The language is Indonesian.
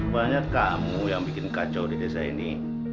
banyak kamu yang bikin kacau di desa ini